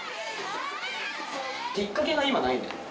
きっかけが今ないんだよね。